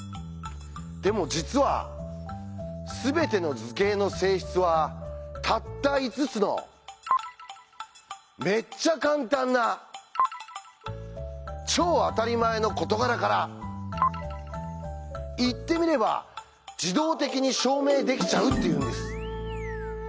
でも実は全ての図形の性質はたった５つのめっちゃカンタンな超あたりまえの事柄から言ってみれば自動的に証明できちゃうっていうんです。